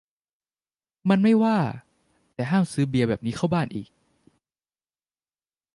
มันไม่ว่า แต่ห้ามซื้อเบียร์แบบนี้เข้าบ้านอีก